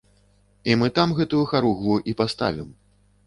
І мы там гэтую харугву і паставім.